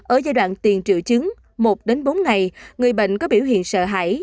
ở giai đoạn tiền triệu chứng một đến bốn ngày người bệnh có biểu hiện sợ hãi